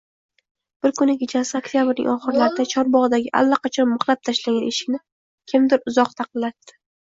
Bir kuni kechasi, oktyabrning oxirlarida chorbogʻdagi allaqachon mixlab tashlangan eshikni kimdir uzoq taqillatdi.